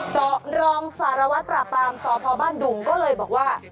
รองสารวัตรปราบปรามสพบ้านดุงก็เลยบอกว่า